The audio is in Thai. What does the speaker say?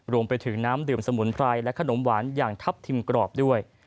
รวมไปถึงน้ำดื่มสมุนไพรและขนมหวานอย่างทัพทิมกรอบด้วย